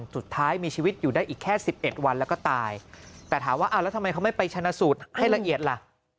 สุดท้ายมีชีวิตอยู่ได้อีกแค่๑๑วันแล้วก็ตายแต่ถามว่าแล้วทำไมเขาไม่ไปชนะสูตรให้ละเอียดล่ะ